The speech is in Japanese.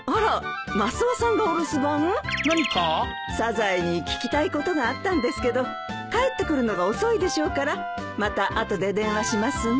サザエに聞きたいことがあったんですけど帰ってくるのが遅いでしょうからまた後で電話しますね。